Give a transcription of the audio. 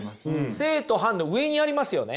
正と反の上にありますよね。